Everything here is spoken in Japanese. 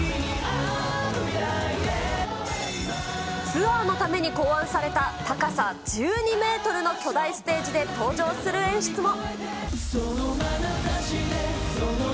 ツアーのために考案された、高さ１２メートルの巨大ステージで登場する演出も。